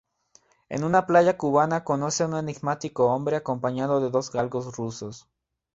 En una playa cubana conoce a un enigmático hombre acompañado de dos galgos rusos.